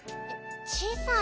小さい。